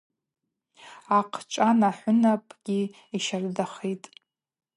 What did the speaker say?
Ахъчӏван ахӏвынапгьи йыщардахитӏ.